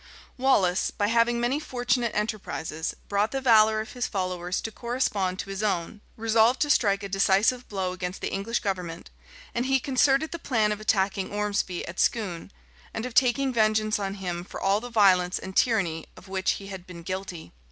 Wallace, having, by many fortunate enterprises, brought the valor of his followers to correspond to his own, resolved to strike a decisive blow against the English government; and he concerted the plan of attacking Ormesby at Scone; and of taking vengeance on him for all the violence and tyranny of which he had been guilty.